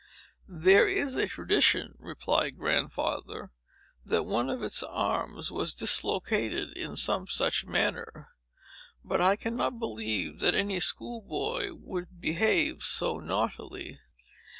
"There is a tradition," replied Grandfather, "that one of its arms was dislocated, in some such manner. But I cannot believe that any school boy would behave so naughtily."